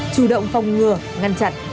chủ động phòng ngừa ngăn chặn